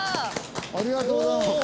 ありがとうございます。